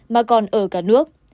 mà còn ở cả nước